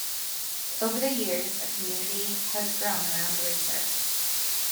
Over the years, a community has grown around Racer.